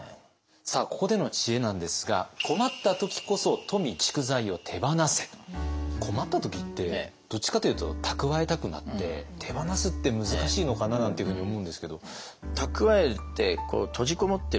さあここでの知恵なんですが困った時ってどっちかというと蓄えたくなって手放すって難しいのかななんていうふうに思うんですけど。